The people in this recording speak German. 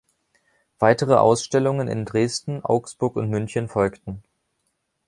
Weitere Ausstellungen in Dresden, Augsburg und München folgten.